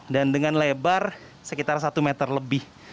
dan dengan lebar sekitar satu meter lebih